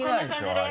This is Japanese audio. あれ。